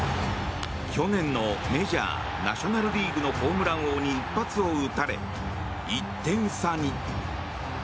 去年のメジャーナショナル・リーグのホームラン王に一発を打たれ１点差に。